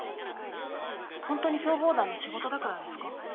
本当に消防団の仕事だからですか？